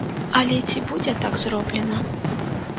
Але ці будзе так зроблена?